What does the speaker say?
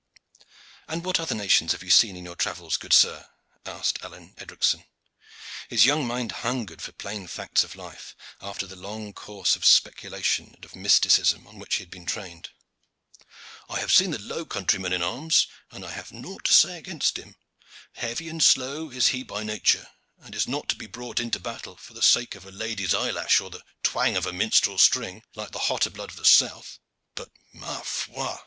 "And what other nations have you seen in your travels, good sir?" asked Alleyne Edricson. His young mind hungered for plain facts of life, after the long course of speculation and of mysticism on which he had been trained. "I have seen the low countryman in arms, and I have nought to say against him. Heavy and slow is he by nature, and is not to be brought into battle for the sake of a lady's eyelash or the twang of a minstrel's string, like the hotter blood of the south. But ma foi!